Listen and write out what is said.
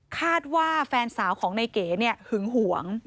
คาดว่าแฟนสาวของนายเก๋หึงหวง